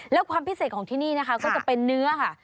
แล้วความพิเศษของที่นี่นะคะก็จะเป็นเนื้อค่ะ